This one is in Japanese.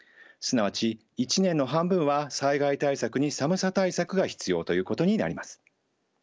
すなわち一年の半分は災害対策に寒さ対策が必要ということになります。